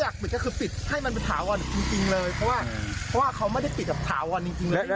คือปิดให้มันเป็นถาวรจริงเลยเพราะว่าเขาไม่ได้ปิดถาวรจริงเลย